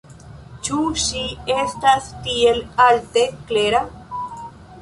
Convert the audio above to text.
Ĉu ŝi estas tiel alte klera?